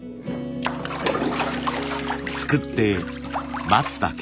すくって待つだけ。